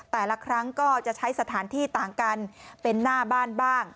แต่ละครั้งก็จะใช้สถานที่ต่างกันเป็นหน้าบ้านบ้าง